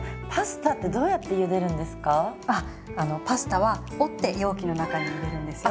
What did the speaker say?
パスタは折って容器の中に入れるんですよ。